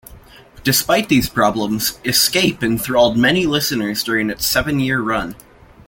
Despite these problems, "Escape" enthralled many listeners during its seven-year run.